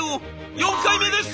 「４回目です！」。